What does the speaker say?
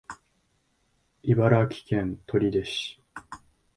茨城県取手市